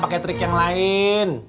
paket trik yang lain